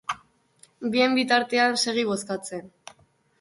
Bien bitartean, segi bozkatzen!